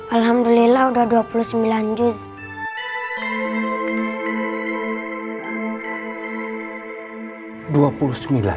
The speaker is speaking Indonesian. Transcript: alhamdulillah sudah dua puluh sembilan juz